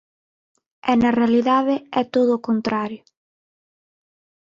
E na realidade é todo o contrario.